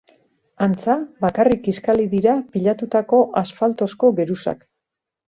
Antza, bakarrik kiskali dira pilatutako asfaltozko geruzak.